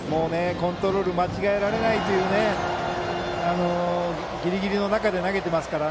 コントロールを間違えられないというギリギリの中で投げていますから。